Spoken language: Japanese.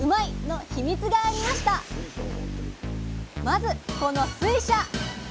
まずこの水車！